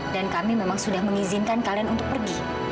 dan kami memang sudah mengizinkan kalian untuk pergi